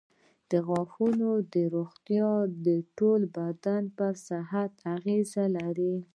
د غاښونو روغتیا د ټول بدن پر صحت اغېز لري.